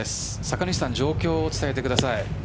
酒主さん、状況を伝えてください。